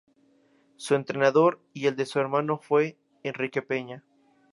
Su entrenador y el de su hermano fue Enrique Peña.